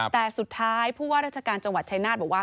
แต่สุดท้ายผู้ว่าราชการจังหวัดชายนาฏบอกว่า